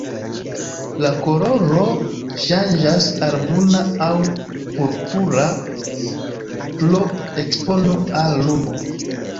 La koloro ŝanĝas al bruna aŭ purpura pro ekspono al lumo.